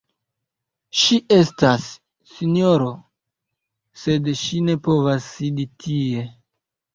Ŝi estas, sinjoro, sed ŝi ne povas sidi tie.